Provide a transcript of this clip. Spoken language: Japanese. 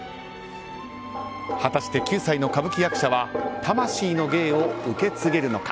果たして、９歳の歌舞伎役者は魂の芸を受け継げるのか。